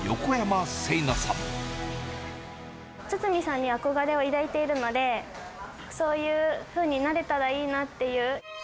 堤さんに憧れを抱いているので、そういうふうになれたらいいなっていう。